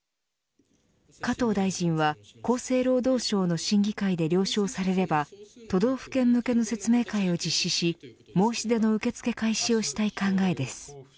加藤大臣は厚生労働省の審議会で了承されれば都道府県向けの説明会を実施し申し出の受け付け開始をしたい考えです。